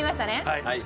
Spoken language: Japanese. はい。